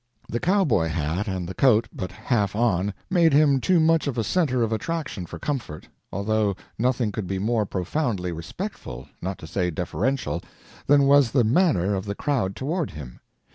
The cowboy hat and the coat but half on made him too much of a centre of attraction for comfort, although nothing could be more profoundly respectful, not to say deferential, than was the manner of the crowd toward him.